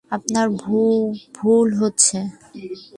আপনার ভুল হচ্ছে?